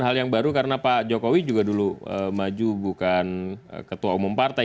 hal yang baru karena pak jokowi juga dulu maju bukan ketua umum partai